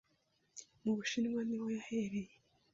Mu Bushinwa niho yahereye